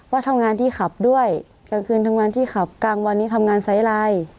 ว่าทำงานที่ขับด้วยกลางคืนทำงานที่ขับกลางวันนี้ทำงานไซส์ไลน์